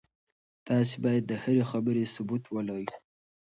تاسي باید د هرې خبرې ثبوت ولرئ.